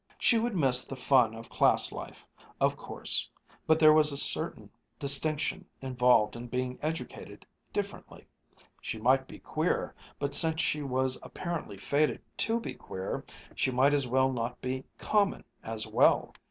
She would miss the fun of class life, of course; but there was a certain distinction involved in being educated "differently." She might be queer, but since she was apparently fated to be queer, she might as well not be "common" as well.